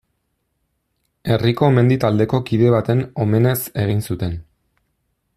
Herriko mendi taldeko kide baten omenez egin zuten.